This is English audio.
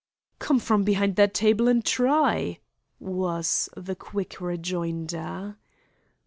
"Come from behind that table and try," was the quick rejoinder.